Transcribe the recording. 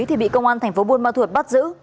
thì bị công an thành phố buôn ma thuột bắt giữ